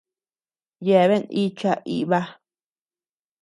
Yeaben icha iba.